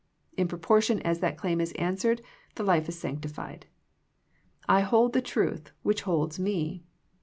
In proportion as that claim is answered the life is sanctified. I hold the truth which holds me.